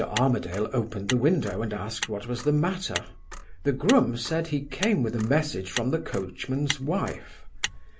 Armadale opened the window and asked what was the matter. The groom said he came with a message from the coachman's wife.